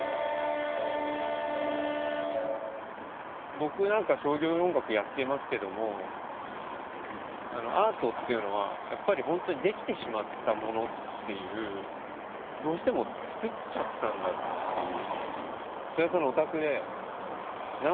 僕なんか商業音楽やっていますけどもアートっていうのはやっぱり本当に出来てしまったものっていうどうしても作っちゃったんだっていう。